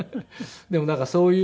でもなんかそういうのもね